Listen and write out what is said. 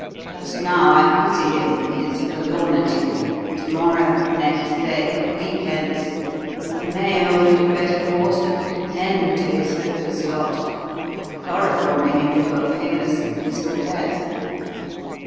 Just now I pity him for his forlornity; to morrow next day a week hence I may hold it a better course to put an end to his hopeless lot by chloroforming him into a painless and peaceful death."